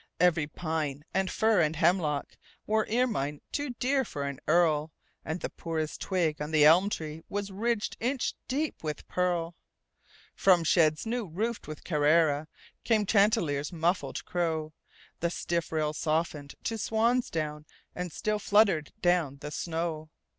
Every pine and fir and hemlockWore ermine too dear for an earl, And the poorest twig on the elm treeWas ridged inch deep with pearl. From sheds new roofed with CarraraCame Chanticleer's muffled crow, The stiff rails softened to swan's down, And still fluttered down the snow.